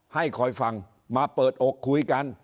ให้คอยฟังมาเปิดอกคุยกัน